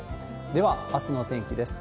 では、あすのお天気です。